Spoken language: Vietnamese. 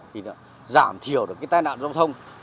thì giảm thiểu được cái tai nạn giao thông